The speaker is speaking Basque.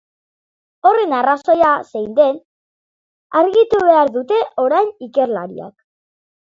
Horren arrazoia zein den argitu behar dute orain ikerlariek.